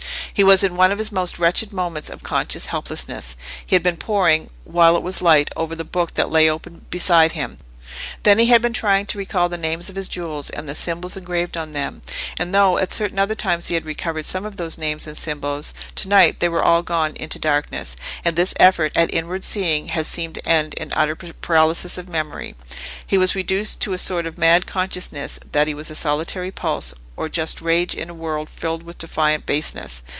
He was in one of his most wretched moments of conscious helplessness: he had been poring, while it was light, over the book that lay open beside him; then he had been trying to recall the names of his jewels, and the symbols engraved on them; and though at certain other times he had recovered some of those names and symbols, to night they were all gone into darkness. And this effort at inward seeing had seemed to end in utter paralysis of memory. He was reduced to a sort of mad consciousness that he was a solitary pulse of just rage in a world filled with defiant baseness.